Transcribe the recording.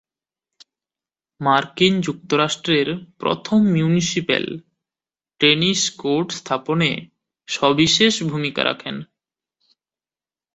মার্কিন যুক্তরাষ্ট্রের প্রথম মিউনিসিপ্যাল টেনিস কোর্ট স্থাপনে সবিশেষ ভূমিকা রাখেন।